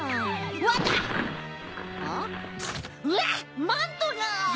うわっマントが！